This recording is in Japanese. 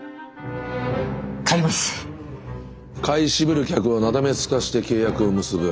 買い渋る客をなだめすかして契約を結ぶ。